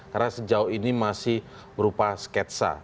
karena sejauh ini masih berupa sketsa